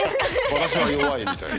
「私は弱い」みたいな。